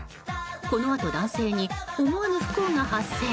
このあと男性に思わぬ不幸が発生。